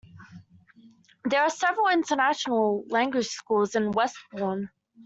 There are several international language schools in Westbourne.